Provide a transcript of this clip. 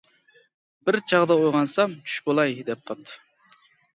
بىر چاغدا ئويغانسام چۈش بولاي، دەپ قاپتۇ.